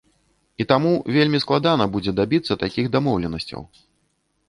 І таму вельмі складана будзе дабіцца такіх дамоўленасцяў.